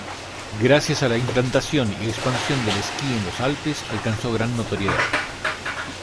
Gracias a la implantación y expansión del esquí en los Alpes alcanzó gran notoriedad.